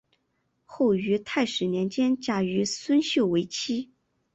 后于泰始年间嫁于孙秀为妻。